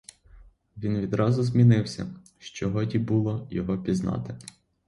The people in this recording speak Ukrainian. Він відразу змінився, що годі було його пізнати.